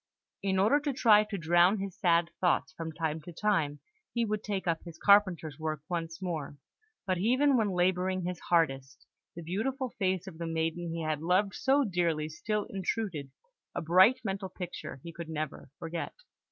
In order to try to drown his sad thoughts, from time to time he would take up his carpenter's work once more; but even when labouring his hardest, the beautiful face of the maiden he had loved so dearly still intruded, a bright mental picture he could never forget.